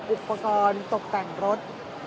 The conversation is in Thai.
อุปกรณ์ตกแต่งรถ